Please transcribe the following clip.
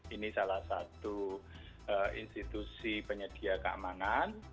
ini salah satu institusi penyedia keamanan